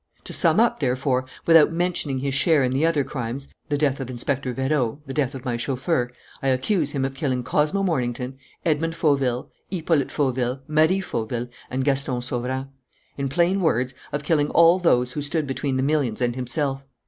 To sum up, therefore, without mentioning his share in the other crimes the death of Inspector Vérot, the death of my chauffeur I accuse him of killing Cosmo Mornington, Edmond Fauville, Hippolyte Fauville, Marie Fauville, and Gaston Sauverand; in plain words, of killing all those who stood between the millions and himself.